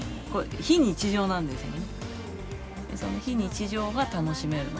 非日常なんですよね。